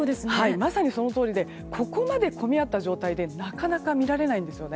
まさに、その通りでここまで混み合った状態ってなかなか見られないんですよね。